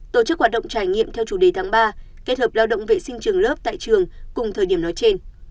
tổ chức hoạt động trải nghiệm theo chủ đề tháng ba kết hợp lao động vệ sinh trường lớp tại trường cùng thời điểm nói trên